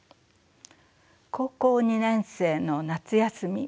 高校２年生の夏休み。